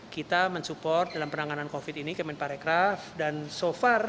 kita mensupport dalam penanganan covid sembilan belas ini kementerian pariwisata dan ekonomi kreatif